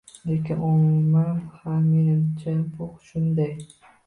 Lekin, umuman, ha, menimcha, bu shunday.